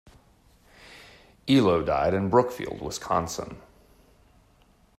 Elo died in Brookfield, Wisconsin.